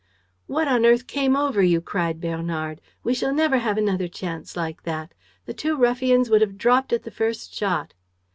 "What on earth came over you?" cried Bernard. "We shall never have another chance like that. The two ruffians would have dropped at the first shot."